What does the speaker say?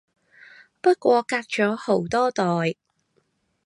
不過隔咗好多代